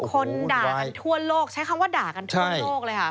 คนด่ากันทั่วโลกใช้คำว่าด่ากันทั่วโลกเลยค่ะ